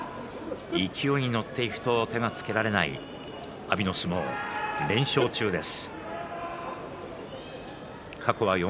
勢いに乗っていくと手がつけられない阿炎の相撲連勝中です。